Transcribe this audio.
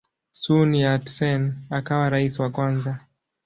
Sun Yat-sen akawa rais wa kwanza.